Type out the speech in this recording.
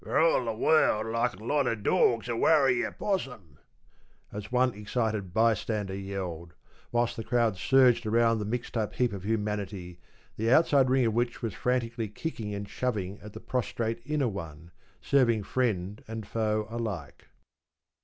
‘For all the world like a lot o' dorgs a worryin' a 'possum!’ as one excited bystander yelled, whilst the crowd surged around the mixed up heap of humanity, the outside ring of which was frantically kicking and shoving at the prostrate inner one, serving friend and foe alike.